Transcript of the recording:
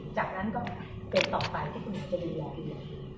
จากนั้นก็เกิดต่อไปที่คุณจะมีวันเดียว